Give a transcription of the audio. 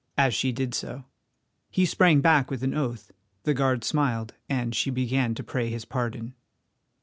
as she did so. He sprang back with an oath, the guard smiled, and she began to pray his pardon.